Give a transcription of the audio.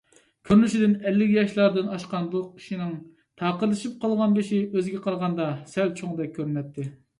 كۆرۈنۈشىدىن ئەللىك ياشلاردىن ئاشقان بۇ كىشىنىڭ تاقىرلىشىپ قالغان بېشى ئۆزىگە قارىغاندا سەل چوڭدەك كۆرۈنەتتى.